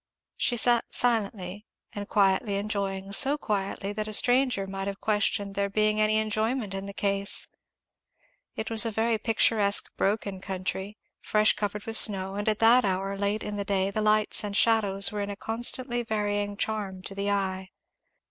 She eat silently and quietly enjoying; so quietly that a stranger might have questioned there being any enjoyment in the case. It was a very picturesque broken country, fresh covered with snow; and at that hour, late in the day, the lights and shadows were a constantly varying charm to the eye.